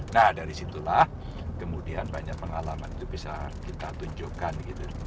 nah dari situlah kemudian banyak pengalaman itu bisa kita tunjukkan gitu